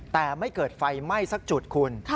แต่ไม่เกิดไฟไหม้สักจุดคุณ